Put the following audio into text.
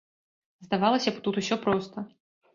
Здавалася б, тут усё проста.